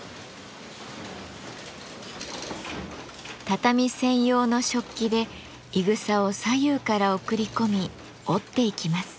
畳専用の織機でいぐさを左右から送り込み織っていきます。